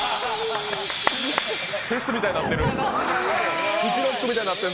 フェスみたいになってる。